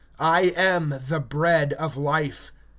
(48)I am the bread of life.